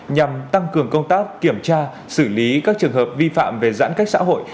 nhằm tăng cường công tác kiểm tra xử lý các trường hợp vi phạm về giãn cách xã hội